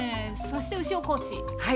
そして牛尾コーチ。